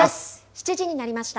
７時になりました。